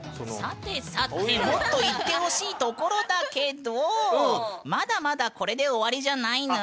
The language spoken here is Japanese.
さてさてもっといってほしいところだけどまだまだこれで終わりじゃないぬん。